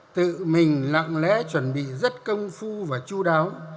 tự mình lặng lẽ chuẩn bị rất công phu và chú đáo